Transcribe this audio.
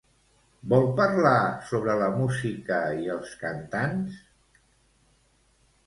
Vol parlar sobre la música i els cantants?